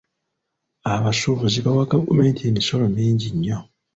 Abasuubuzi bawa gavumenti emisolo mingi nnyo.